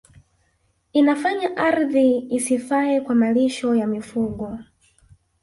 Inafanya ardhi isifae kwa malisho ya mifugo